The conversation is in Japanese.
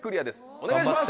お願いします。